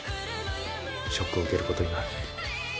ショックを受けることになる。